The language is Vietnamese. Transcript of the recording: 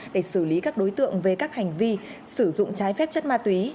để xử lý các đối tượng về các hành vi sử dụng trái phép chất ma túy